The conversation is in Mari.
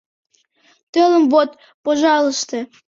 Телым вот — пожалысте...»